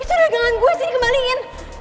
itu dagangan gue sih kembaliin